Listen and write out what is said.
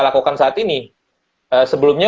lakukan saat ini sebelumnya